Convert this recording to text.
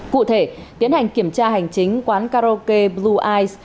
cụ thể tiến hành kiểm tra hành chính quán karaoke blue eyes